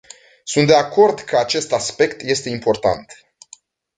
Sunt de acord că acest aspect este important.